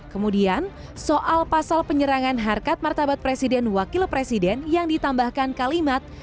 kemudian soal pasal penyerangan harkat martabat presiden wakil presiden yang ditambahkan kalimat